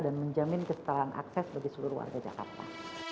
dan menjamin kesetaraan akses bagi seluruh warga jakarta